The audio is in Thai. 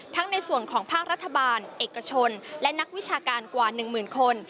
ในส่วนของภาครัฐบาลเอกชนและนักวิชาการกว่า๑หมื่นคน